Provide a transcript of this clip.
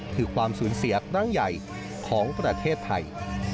คือความสูญเสียครั้งใหญ่ของประเทศไทย